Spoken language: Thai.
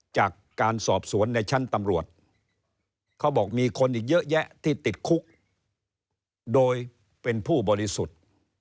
จากการสอบสวนในชั้นตำรวจเขาบอกมีคนอีกเยอะแยะที่ติดคุกโดยเป็นผู้บริสุทธิ์